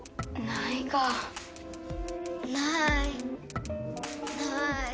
ないない。